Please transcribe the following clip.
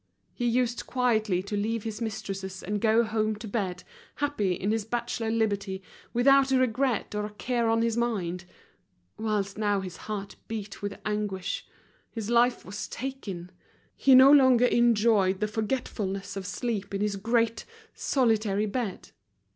He used quietly to leave his mistresses and go home to bed, happy in his bachelor liberty, without a regret or a care on his mind; whilst now his heart beat with anguish, his life was taken, he no longer enjoyed the forgetfulness of sleep in his great, solitary bed.